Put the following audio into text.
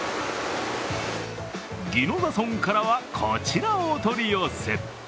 宜野座村からは、こちらをお取り寄せ。